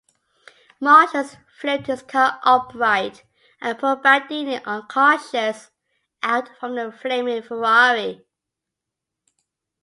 Marshals flipped his car upright and pulled Bandini, unconscious, out from the flaming Ferrari.